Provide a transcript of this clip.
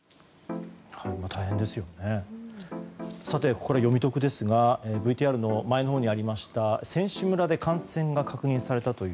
ここからよみトクですがＶＴＲの前のほうにありました選手村で感染が確認されたという。